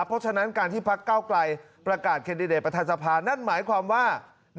เพราะฉะนั้นการที่พักเก้าไกลประกาศแคนดิเดตประธานสภานั่นหมายความว่า